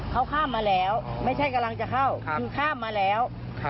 เขาข้ามมาแล้วไม่ใช่กำลังจะเข้าคือข้ามมาแล้ว